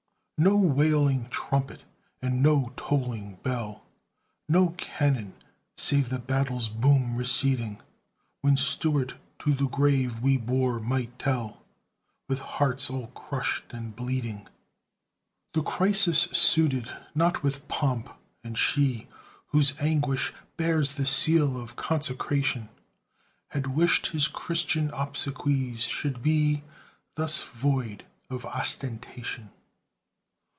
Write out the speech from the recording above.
No wailing trumpet and no tolling bell, No cannon, save the battle's boom receding, When Stuart to the grave we bore, might tell, With hearts all crushed and bleeding. The crisis suited not with pomp, and she Whose anguish bears the seal of consecration Had wished his Christian obsequies should be Thus void of ostentation.